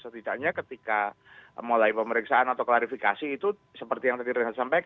setidaknya ketika mulai pemeriksaan atau klarifikasi itu seperti yang tadi reza sampaikan